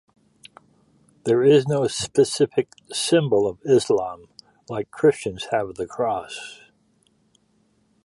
There is no specific "Symbol of Islam" like Christians have the Cross.